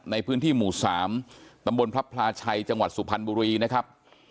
ในพื้นที่หมู่๓ตำบลพระพลาชัยจังหวัดสุพรรณบุรีนะครับ